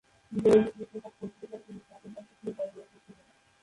দৈনিক ইত্তেফাক পত্রিকায় তিনি ষাটের দশক থেকে কর্মরত ছিলেন।